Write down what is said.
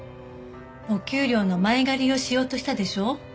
お給料の前借りをしようとしたでしょ。